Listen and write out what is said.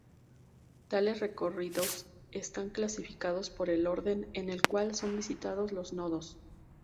Tales recorridos están clasificados por el orden en el cual son visitados los nodos.